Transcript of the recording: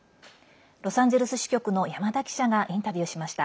ロサンゼルス支局の山田記者がインタビューしました。